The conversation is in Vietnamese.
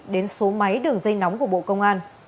đến số máy đường dây nóng của bộ công an